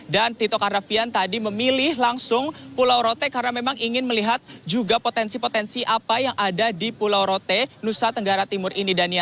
dan tito karnavian tadi memilih langsung pulau rote karena memang ingin melihat juga potensi potensi apa yang ada di pulau rote nusa tenggara timur ini dania